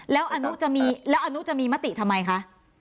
แล้วอนุจะมีมะติทำไมคะ